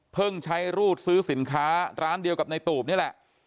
ใช้รูดซื้อสินค้าร้านเดียวกับในตูบนี่แหละ